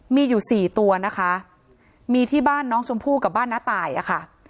มีอยู่สี่ตัวนะคะมีที่บ้านน้องชมพู่กับบ้านน้าตายอะค่ะ